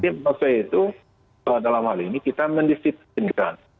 maksudnya itu dalam hal ini kita mendisipin kita